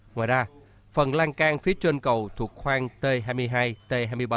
ngoài ra phần lan can phía trên cầu thuộc khoang t hai mươi hai t hai mươi bảy